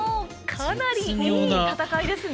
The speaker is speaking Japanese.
かなりいい戦いですね。